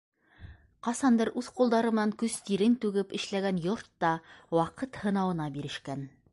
Ҡасандыр үҙ ҡулдары менән көс-тирен түгеп эшләгән йорт та ваҡыт һынауына бирешкән.